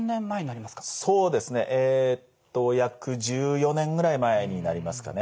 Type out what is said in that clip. そうですねえっと約１４年ぐらい前になりますかね。